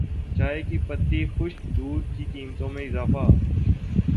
چائے کی پتی خشک دودھ کی قیمتوں میں اضافہ